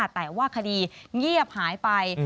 แต่ว่าคดีเงียบหายไป